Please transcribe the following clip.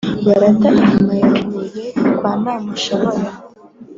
barata inyuma ya huye kwa ntamushobora